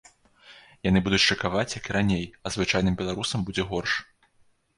Яны будуць шыкаваць як і раней, а звычайным беларусам будзе горш.